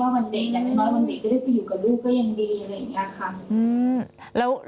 ว่าวันเด็กแม็กซ์น้อยก็ได้ไปอยู่กับลูกก็ยังดี